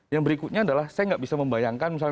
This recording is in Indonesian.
yang berikutnya adalah saya gak bisa membayangkan